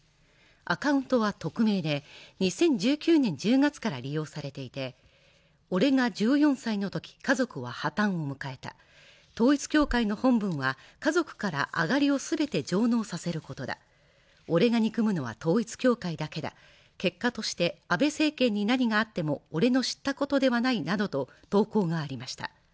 アカウントは匿名で、２０１９年１０月から利用されていて俺が１４歳のとき家族は破綻を迎えた、統一教会の本分は、家族からアガリを全て上納させることだ、オレが憎むのは統一教会だけだ結果として安倍政権に何があってもオレの知ったことではないなどと投稿がありました。